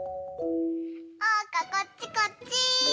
おうかこっちこっち！